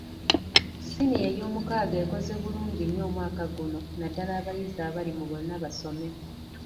Siniya eyomukaaga ekoze bulungi nnyo omwaka guno naddala abayizi abali mu bonnabasome.